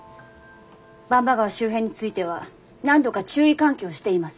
番場川周辺については何度か注意喚起をしています。